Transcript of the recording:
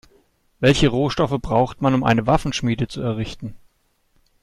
Welche Rohstoffe braucht man, um eine Waffenschmiede zu errichten?